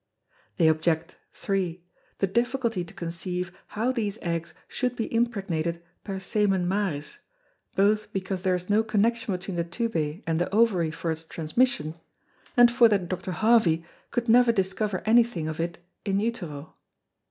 They object 3, The difficulty to conceive how these Eggs should be impregnated per semen Maris, both because there is no Connexion between the Tubæ and the Ovary for its transmission, and for that Dr. Harvey could never discover any thing of it in Utero.